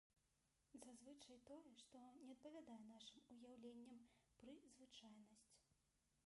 Зазвычай тое, што не адпавядае нашым уяўленням пры звычайнасць.